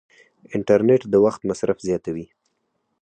انټرنیټ د وخت مصرف زیاتوي.